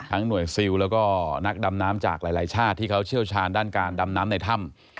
หน่วยซิลแล้วก็นักดำน้ำจากหลายชาติที่เขาเชี่ยวชาญด้านการดำน้ำในถ้ำ